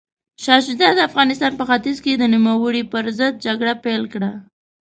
شاه شجاع د افغانستان په ختیځ کې د نوموړي پر ضد جګړه پیل کړه.